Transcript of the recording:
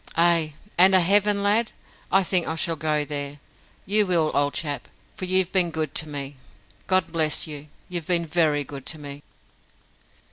"Ay, and a Heaven, lad. I think I shall go there. You will, old chap, for you've been good to me God bless you, you've been very good to me."